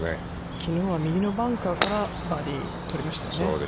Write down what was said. きのうは右のバンカーからバーディーを取りましたね。